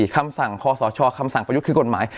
คำสั่งคอสชคำสั่งประยุทธ์คือกฎหมาย